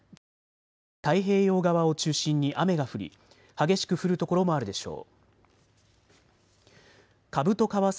北日本は太平洋側を中心に雨が降り激しく降る所もあるでしょう。